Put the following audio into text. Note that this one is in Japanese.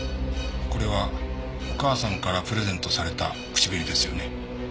これはお母さんからプレゼントされた口紅ですよね。